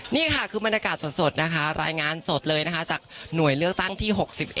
นี่ค่ะคือบรรยากาศสดนะคะรายงานสดเลยนะคะจากหน่วยเลือกตั้งที่๖๑